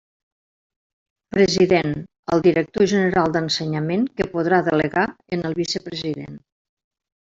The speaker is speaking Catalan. President: el director general d'Ensenyament, que podrà delegar en el vicepresident.